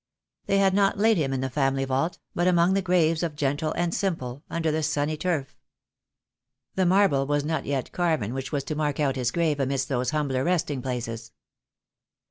They had not laid him in the family vault, but among the graves of gentle and simple, under the sunny turf. The marble was not yet carven which was to mark out his grave amidst those humbler resting places.